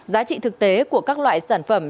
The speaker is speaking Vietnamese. giá trị thực tế của các loại sản phẩm